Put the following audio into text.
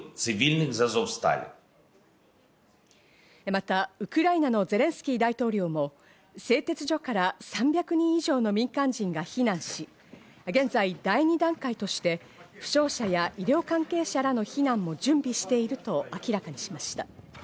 また、ウクライナのゼレンスキー大統領も製鉄所から３００人以上の民間人が避難し、現在、第２段階として、負傷者や医療関係者らの避難も準備していると明らかにしました。